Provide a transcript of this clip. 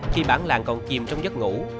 khi bản làng còn chìm trong giấc ngủ